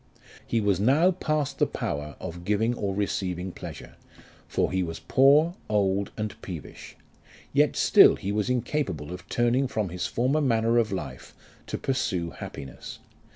He was now past the power of giving or receiving pleasure, for he was poor, old, and peevish ; yet still he was incapable of turning from his former manner of life to pursue happiness.